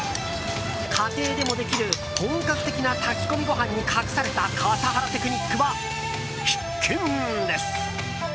家庭でもできる本格的な炊き込みご飯に隠された笠原テクニックは必見です。